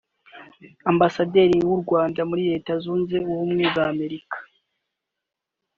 Ambasaderi w’u Rwanda muri Leta Zunze Ubumwe za Amerika